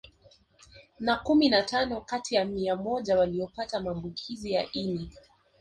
Na kumi na tano kati ya mia moja waliopata maambukizi ya ini